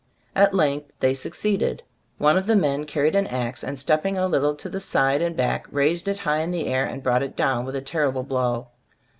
At length they succeeded. One of the men carried an axe, and stepping a little to the side and back, raised it high in the air and brought it down with a terrible blow.